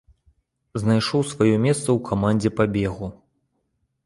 Знайшоў сваё месца ў камандзе па бегу.